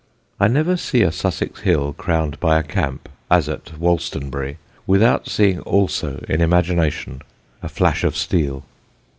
I never see a Sussex hill crowned by a camp, as at Wolstonbury, without seeing also in imagination a flash of steel.